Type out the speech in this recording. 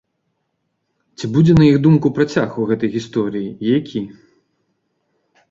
Ці будзе на іх думку працяг у гэтай гісторыі і які?